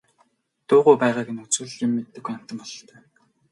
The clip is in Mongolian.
Дуугүй байгааг нь үзвэл юм мэддэггүй амьтан бололтой.